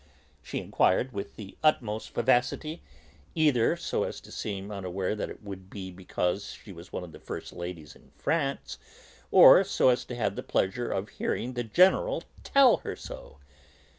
she inquired, with the utmost vivacity, either so as to seem unaware that it would be because she was one of the first ladies in France, or so as to have the pleasure of hearing the General tell her so.